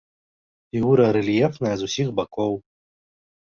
Фігура рэльефная з усіх бакоў.